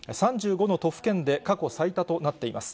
３５の都府県で過去最多となっています。